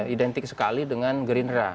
identik sekali dengan gerindra